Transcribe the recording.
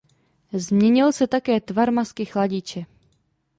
Změnil se také tvar masky chladiče.